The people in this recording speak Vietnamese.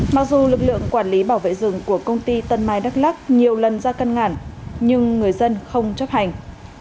mặc dù lực lượng quản lý bảo vệ rừng của công ty tân mai đắk lắc nhiều lần ra cân ngản nhưng người dân không chấp hành